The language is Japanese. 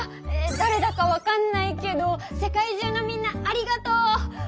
だれだか分かんないけど世界中のみんなありがとう！